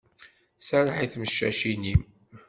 Serreḥ i tmeccacin-im.